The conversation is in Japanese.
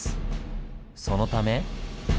そのため。